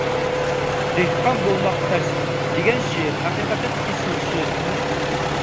«دېھقان بولماق تەس» دېگەن شېئىر ھەقىقەتەن ئېسىل شېئىر جۇمۇ.